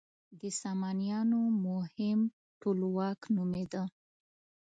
د سامانیانو مهم ټولواک نومېده.